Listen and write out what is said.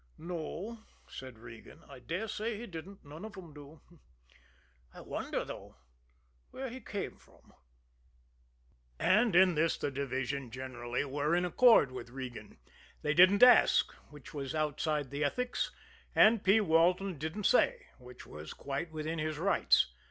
"No," said Regan; "I dare say he didn't none of 'em do. I wonder, though, where he came from?" And in this the division generally were in accord with Regan. They didn't ask which was outside the ethics; and P. Walton didn't say which was quite within his rights.